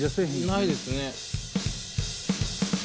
ないですね。